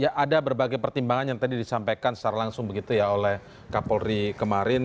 ya ada berbagai pertimbangan yang tadi disampaikan secara langsung begitu ya oleh kapolri kemarin